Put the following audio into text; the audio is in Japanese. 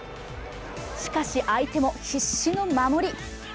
しかし、相手も必死の守り。